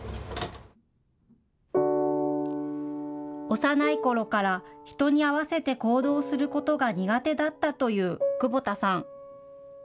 幼いころから人に合わせて行動することが苦手だったという久保田さん。